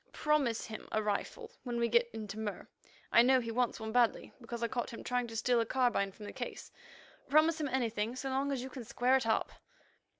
Promise him a rifle when we get into Mur; I know he wants one badly, because I caught him trying to steal a carbine from the case. Promise him anything so long as you can square it up."